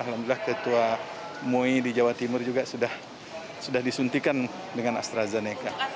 alhamdulillah ketua mui di jawa timur juga sudah disuntikan dengan astrazeneca